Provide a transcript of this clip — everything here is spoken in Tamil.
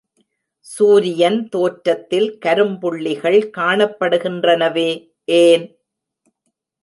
சூரியன் தோற்றத்தில் கரும்புள்ளிகள் காணப்படுகின்றனவே ஏன்?